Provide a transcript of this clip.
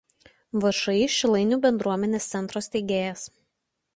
VšĮ Šilainių bendruomenės centro steigėjas.